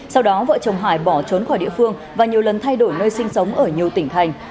sau đó vợ chồng hải bỏ trốn khỏi địa phương và nhiều lần thay đổi nơi sinh sống ở nhiều tỉnh thành